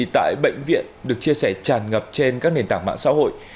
tại bệnh viện được chia sẻ tràn ngập trên các nền tảng mạng xã hội